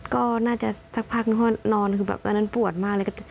ก็น่าจะสักพักนึงเพราะนอนคือแบบอันนั้นปวดมากเลย